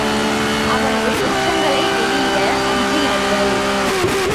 அவனது குற்றங்களை வெளியிட அஞ்சினர்கள்.